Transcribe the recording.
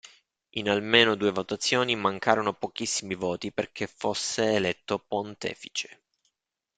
In almeno due votazioni mancarono pochissimi voti perché fosse eletto pontefice.